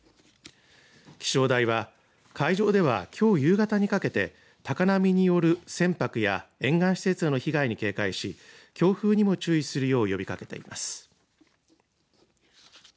気象台は海上ではきょう夕方にかけて高波による船舶や沿岸施設への被害に警戒し強風にも注意するよう呼びかけています。